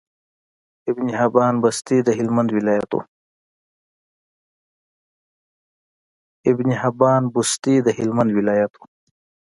ابن حبان بستي د هلمند ولايت وو